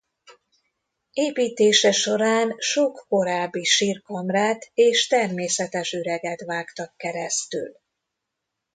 Építése során sok korábbi sírkamrát és természetes üreget vágtak keresztül.